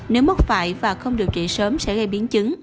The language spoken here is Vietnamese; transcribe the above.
nếu mất phải và không điều trị sớm sẽ gây biến chứng